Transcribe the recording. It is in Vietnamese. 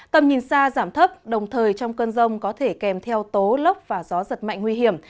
tầm nhìn xa giảm thấp đồng thời trong cơn rông có thể kèm theo tố lốc và gió giật mạnh nguy hiểm